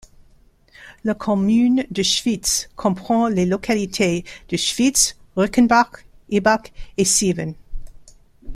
La commune de Schwytz comprend les localités de Schwytz, Rickenbach, Ibach et Seewen.